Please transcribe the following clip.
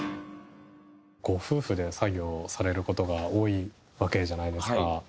ご夫婦で作業をされる事が多いわけじゃないですか。